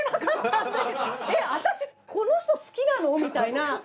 私この人好きなの？みたいな。